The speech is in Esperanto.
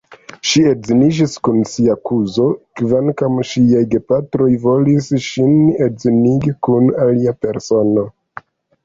Ŝi edziniĝis kun sia kuzo, kvankam ŝiaj gepatroj volis ŝin edzinigi kun alia persono.